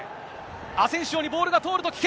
アセンシオにボールが通ると危険。